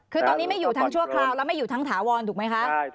คือตอนนี้ไม่อยู่ทั้งชั่วคราวแล้วไม่อยู่ทั้งถาวรถูกไหมคะ